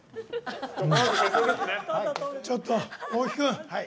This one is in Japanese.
ちょっと大木君。